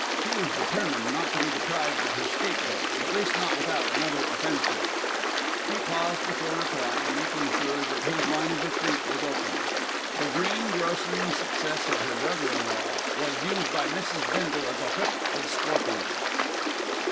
She was determined not to be deprived of her scapegoat, at least not without another offensive. He paused before replying, making sure that his line of retreat was open. The greengrocering success of her brother in law was used by Mrs. Bindle as a whip of scorpions.